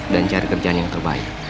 dan cari kerjaan yang terbaik